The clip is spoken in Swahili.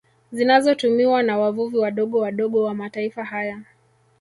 Zinazotumiwa na wavuvi wadogo wadogo wa mataifa haya